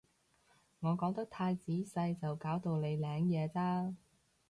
我講得太仔細就搞到你領嘢咋